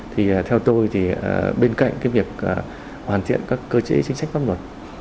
thì theo tôi thì bên cạnh cái việc hoàn thiện các cơ chế chính sách pháp luật